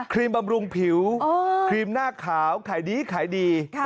บำรุงผิวครีมหน้าขาวขายดีขายดี